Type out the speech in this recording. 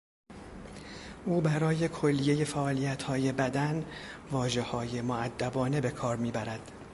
او برای کلیهی فعالیتهای بدن واژههای مودبانه به کار میبرد.